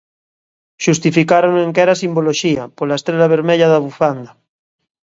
Xustificárono en que era simboloxía, pola estrela vermella da bufanda.